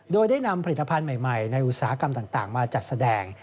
โดยได้นำผลิตภัณฑ์ใหม่ในอุตสาหกรรมต่างมาจัดแสดง